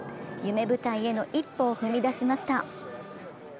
夢舞台への一歩を踏み出しました。